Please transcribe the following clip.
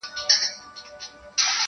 • له بل لوري بله مینه سم راوړلای -